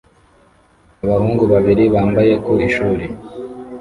Abahungu babiri bambaye ku ishuri